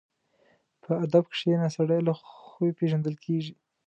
په ادب کښېنه، سړی له خوی پېژندل کېږي.